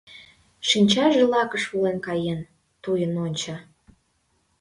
Шинчаже лакыш волен каен, туйын онча.